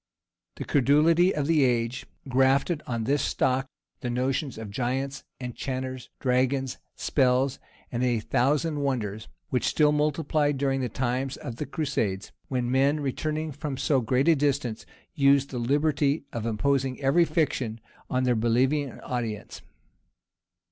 The credulity of the age grafted on this stock the notion of giants, enchanters, dragons, spells,[*] and a thousand wonders, which still multiplied during the times of the crusades; when men, returning from so great a distance, used the liberty of imposing every fiction on their believing audience.